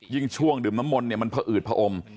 ช่วงดื่มน้ำมนต์เนี่ยมันผอืดผอม